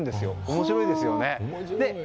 面白いですよね。